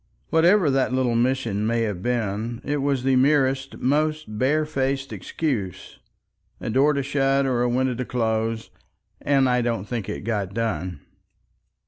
Whatever that little mission may have been it was the merest, most barefaced excuse, a door to shut, or a window to close, and I don't think it got done.